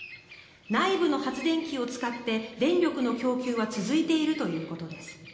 内部の発電機を使って電力の供給は続いているということです。